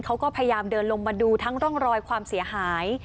เขาก็พยายามเดินลงมาดูทั้งร่องรอยความเสียหาย